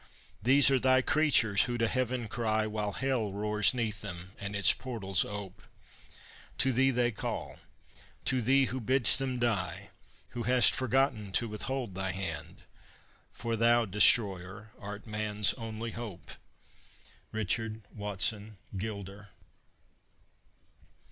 These are thy creatures who to heaven cry While hell roars 'neath them, and its portals ope; To thee they call, to thee who bidst them die, Who hast forgotten to withhold thy hand, For thou, Destroyer, art man's only Hope! RICHARD WATSON GILDER.